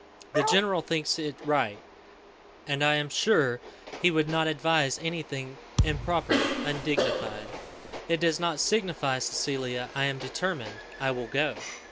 "The general thinks it right, and I am sure he would not advise any thing improper undignified. It does not signify, Cecilia, I am determined I will go."